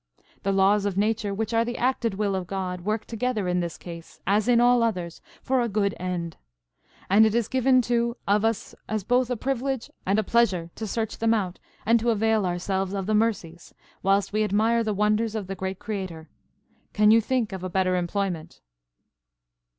The laws of Nature, which are the acted will of God, work together in this case, as in all others, for a good end. And it is given to of us as both a privilege and a pleasure to search them out, and to avail ourselves of the mercies, whilst we admire the wonders of the great Creator. Can you think of a better employment?"